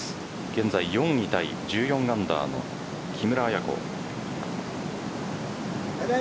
現在４位タイ、１４アンダー木村彩子。